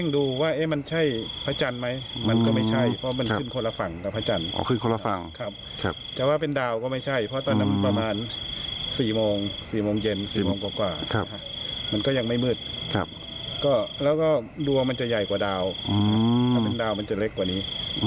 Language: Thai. ดวงมันจะใหญ่กว่าดาวถ้าเป็นดาวมันจะเล็กกว่านี้